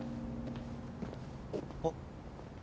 あっ。